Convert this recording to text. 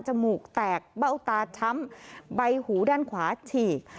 มูกแตกเบ้าตาช้ำใบหูด้านขวาฉีก